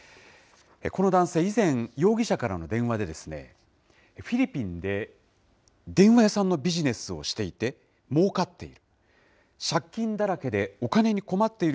この男性、以前、容疑者からの電話で、フィリピンで電話屋さんのビジネスをしていて、もうかっている。